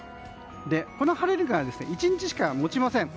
この晴れが１日しかもちません。